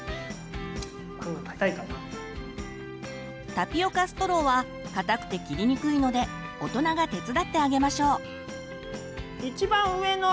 タピオカストローは硬くて切りにくいので大人が手伝ってあげましょう。